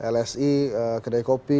lsi kedai kopi